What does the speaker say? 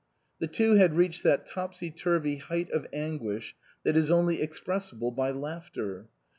The two had reached that topsy turvy height of anguish that is only expressible by laughter.